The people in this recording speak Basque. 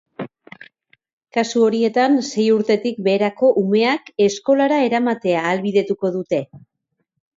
Kasu horietan, sei urtetik beherako umeak eskolara eramatea ahalbidetuko dute.